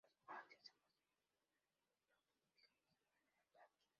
La hostia se muestra en una Custodia, típicamente situada en el altar.